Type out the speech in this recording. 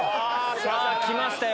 さぁ来ましたよ。